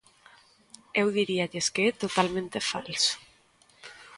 Eu diríalles que é totalmente falso.